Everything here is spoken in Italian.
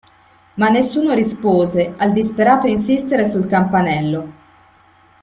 Ma nessuno rispose al disperato insistere sul campanello.